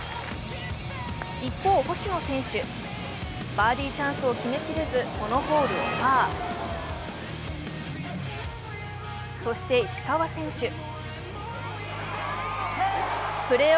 一方、星野選手、バーディーチャンスを決めきれずこのホールをパー。